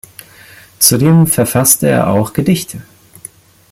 Zudem verfasste er auch Gedichte.